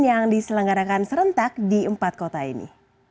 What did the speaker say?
yang diselenggarakan serentak di empat kota ini